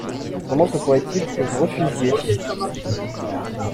Comment se pourrait-il que vous refusiez?